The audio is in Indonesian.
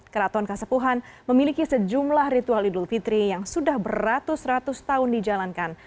keraton kasepuhan memiliki sejumlah ritual idul fitri yang sudah beratus ratus tahun dijalankan